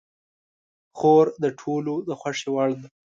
خور د ټولو د خوښې وړ ده.